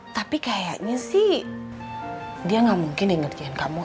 tapi kayaknya sih dia gak mungkin yang ngerjain kamu